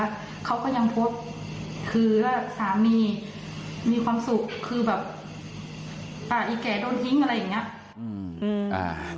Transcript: แล้วเขาก็ยังพบคือสามีมีความสุขคือแบบอ้าวไอ้แก่โดนทิ้งอะไรอย่างเงี้ย